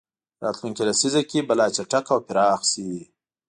راتلونکې لسیزه کې به لا چټک او پراخ شي.